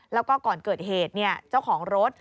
แล้วก็ก่อนเกิดเหตุเจ้าของรถ